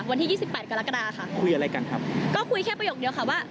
วันที่ยี่สิบแปดกรกฎาค่ะคุยอะไรกันครับก็คุยแค่ประโยคเดียวค่ะว่า